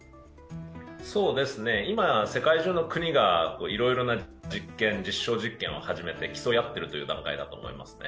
今、世界中の国がいろいろな実証実験を始めて競い合っている段階だと思いますね。